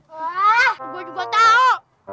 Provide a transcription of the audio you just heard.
wah gue juga tahu